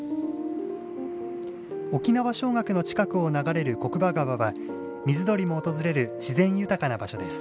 沖縄尚学の近くを流れる国場川は水鳥も訪れる自然豊かな場所です。